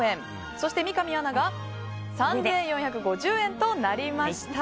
そして三上アナが３４５０円となりました。